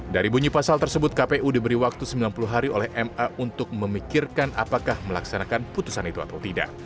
dari bunyi pasal tersebut kpu diberi waktu sembilan puluh hari oleh ma untuk memikirkan apakah melaksanakan putusan itu atau tidak